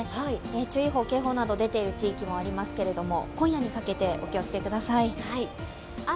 注意報、警報など出ている地域がありますが、今夜にかけてお気をつけください。